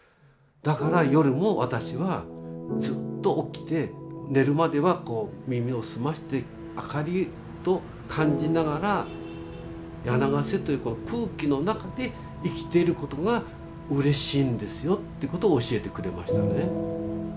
「だから夜も私はずっと起きて寝るまでは耳を澄まして明かりを感じながら柳ケ瀬というこの空気の中で生きてることがうれしいんですよ」ってことを教えてくれましたね。